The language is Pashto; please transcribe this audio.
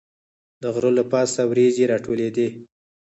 د غره له پاسه وریځې راټولېدې.